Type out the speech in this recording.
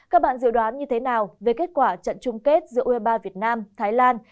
các bạn dự đoán như thế nào về kết quả trận chung kết giữa u hai mươi ba việt nam thái lan